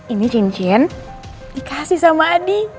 ini cincin dikasih sama adi